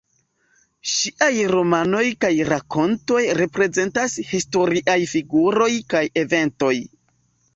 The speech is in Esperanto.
Ŝiaj romanoj kaj rakontoj reprezentas historiaj figuroj kaj eventoj.